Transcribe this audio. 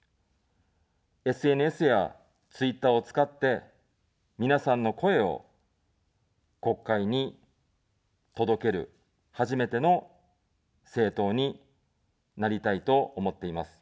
ＳＮＳやツイッターを使って、皆さんの声を国会に届ける初めての政党になりたいと思っています。